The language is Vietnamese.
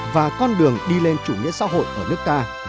và con đường đi lên chủ nghĩa xã hội ở nước ta